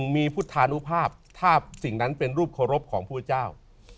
มีพุทธานุภาพถ้าสิ่งนั้นเป็นรูปเคารพของพุทธเจ้า